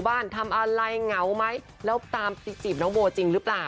ทำอะไรเหงาไหมแล้วตามไปจีบน้องโบจริงหรือเปล่า